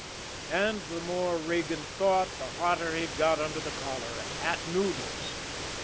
And the more Regan thought, the hotter he got under the collar at Noodles.